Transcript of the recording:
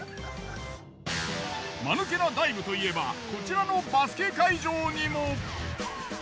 マヌケなダイブといえばこちらのバスケ会場にも。